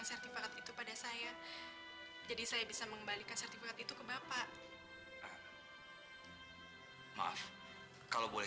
sampai jumpa di video selanjutnya